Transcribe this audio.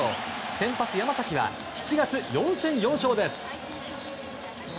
先発、山崎は７月、４戦４勝です。